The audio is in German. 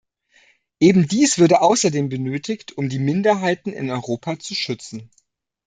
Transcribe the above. Eben dies würde außerdem benötigt, um die Minderheiten in Europa zu schützen.